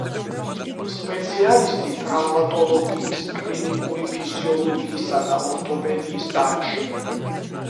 სპეციალისტი ტრავმატოლოგიის, კლინიკური ფიზიოლოგიისა და ორთოპედიის დარგში.